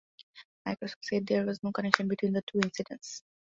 Microsoft said there was no connection between the two incidents.